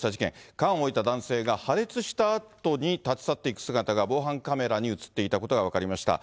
缶を置いた男性が破裂したあとに立ち去っていく姿が、防犯カメラに写っていたことが分かりました。